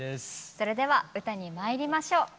それでは歌にまいりましょう。